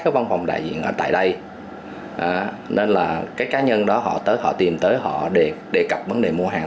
cái văn phòng đại diện anh tại đây nên là cái cá nhân đó họ tới họ tìm tới họ để đề cập vấn đề mua hàng